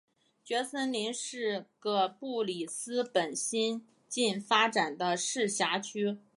蕨森林是个布里斯本新近发展的市辖区。